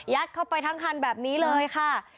เข้าไปทั้งคันแบบนี้เลยค่ะ